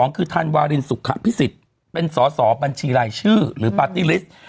คือธันวารินสุขภิษฎเป็นสอสอบัญชีรายชื่อหรือปาร์ตี้ลิสต์